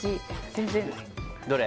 全然どれ？